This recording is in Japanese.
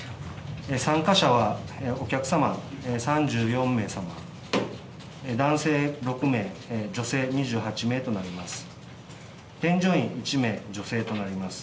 参加者はお客様３４名様、男性６名、女性２８名となります。